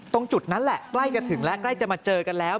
ตรงจุดนั้นแหละใกล้จะถึงแล้วใกล้จะมาเจอกันแล้ว